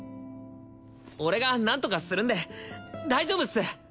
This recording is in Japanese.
俺が何とかするんで大丈夫っす！